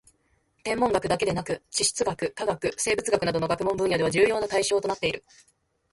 天文学だけでなく地質学・化学・生物学などの学問分野では重要な対象となっている